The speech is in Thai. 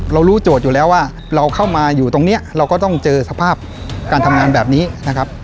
รู้โจทย์อยู่แล้วว่าเราเข้ามาอยู่ตรงนี้เราก็ต้องเจอสภาพการทำงานแบบนี้นะครับ